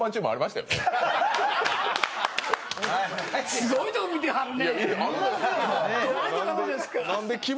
すごいとこ見てはんね。